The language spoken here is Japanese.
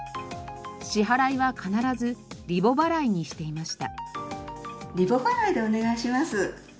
支払いは必ずリボ払いにしていました。